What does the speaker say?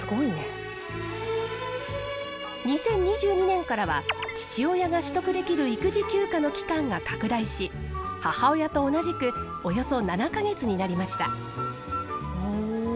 ２０２２年からは父親が取得できる育児休暇の期間が拡大し母親と同じくおよそ７か月になりました。